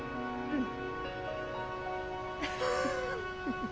うん。